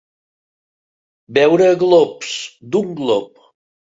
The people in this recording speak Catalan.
Beure a glops, d'un glop.